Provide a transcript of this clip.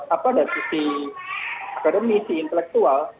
apa dari sisi akademisi intelektual